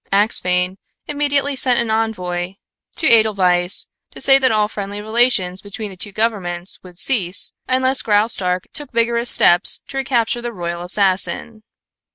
Axphain immediately sent an envoy to Edelweiss to say that all friendly relations between the two governments would cease unless Graustark took vigorous steps to recapture the royal assassin.